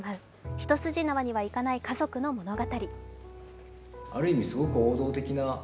一筋縄にはいかない家族の物語。